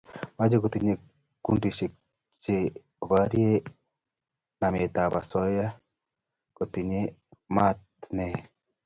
mache kotinye kundishek che borie namet ab asoya kotinye mat ne